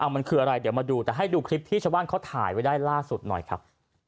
มันคืออะไรเดี๋ยวมาดูแต่ให้ดูคลิปที่ชาวบ้านเขาถ่ายไว้ได้ล่าสุดหน่อยครับ